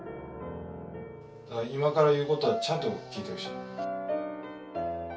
今から言うことはちゃんと聞いてほしい。